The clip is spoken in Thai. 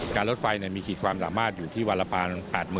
รถไฟมีขีดความสามารถอยู่ที่วันละประมาณ๘๐๐๐